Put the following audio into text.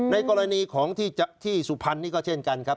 ในกรณีของที่สุพรรณนี่ก็เช่นกันครับ